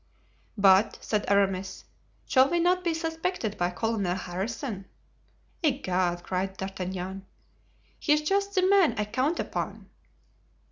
"But," said Aramis, "shall we not be suspected by Colonel Harrison?" "Egad!" cried D'Artagnan, "he's just the man I count upon.